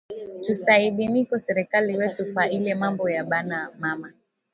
Tu saidieniko serkali wetu pa ile mambo ya ba mama